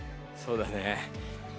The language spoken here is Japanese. そうだね。